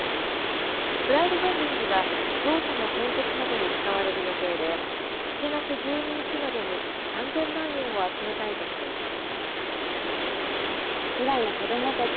クラウドファンディングはゾウ舎の建設などに使われる予定で、７月１２日までに３０００万円を集めたいとしています。